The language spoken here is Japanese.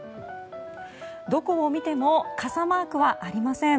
どこを見ても傘マークはありません。